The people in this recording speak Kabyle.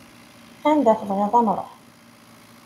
Anda tebɣiḍ ad nruḥ.